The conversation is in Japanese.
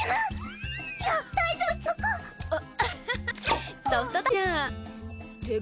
あっ。